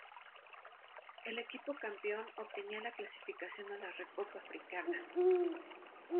El equipo campeón obtenía la clasificación a la Recopa Africana.